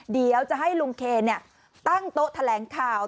เดี๋ยวจะให้ลุงเคนตั้งโต๊ะแถลงข่าว